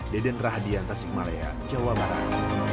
deden rahadian tasikmalaya jawa barat